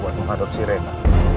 buat mengadopsi rena